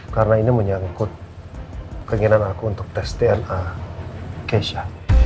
karena ini menyangkut keinginan aku untuk tes dna keisha